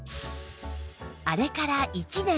あれから１年